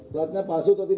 platnya palsu atau tidak